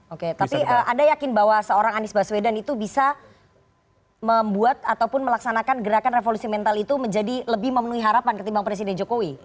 oke tapi anda yakin bahwa seorang anies baswedan itu bisa membuat ataupun melaksanakan gerakan revolusi mental itu menjadi lebih memenuhi harapan ketimbang presiden jokowi